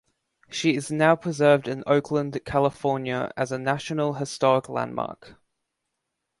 She is now preserved in Oakland, California, as a National Historic Landmark.